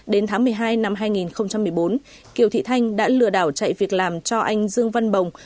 đến tháng một mươi hai năm hai nghìn một mươi bốn kiều thị thanh đã lừa đảo chạy việc làm cho anh dương văn bồng